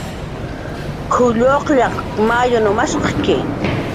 "K""uw lluqllaq mayunw mashqki"